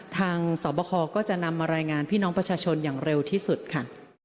สอบคอก็จะนำมารายงานพี่น้องประชาชนอย่างเร็วที่สุดค่ะ